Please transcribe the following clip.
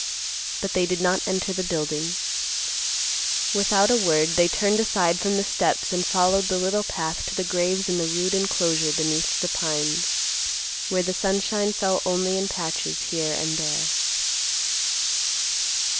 But they did not enter the building. Without a word they turned aside from the steps and followed the little path to the graves in the rude enclosure beneath the pines, where the sunshine fell only in patches here and there.